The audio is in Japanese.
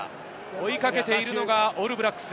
追いかけているのがオールブラックス。